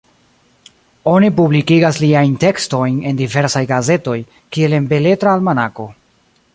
Oni publikigas liajn tekstojn en diversaj gazetoj, kiel en Beletra Almanako.